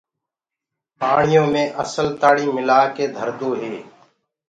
پآڻيو مي اسل تآڻي مِلآ ڪي ڌردو هي۔